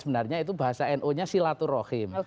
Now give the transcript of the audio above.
sebenarnya itu bahasa nu nya silaturahim